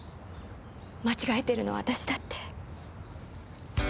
間違えてるのは私だって。